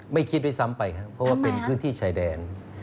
ไม่คิดด้วยซ้ำไปครับเพราะว่าเป็นพื้นที่ชายแดน